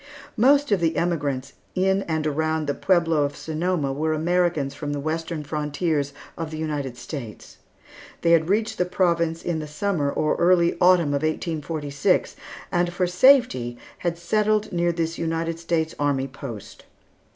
Most of the emigrants in and around the Pueblo of Sonoma were Americans from the western frontiers of the United States. They had reached the province in the Summer or early Autumn of 1846, and for safety had settled near this United States Army post.